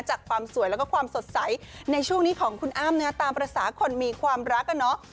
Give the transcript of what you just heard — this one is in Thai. จากความสวยแล้วก็ความสดใสในช่วงนี้ของคุณอ้ำนะตามภาษาคนมีความรักอ่ะเนาะ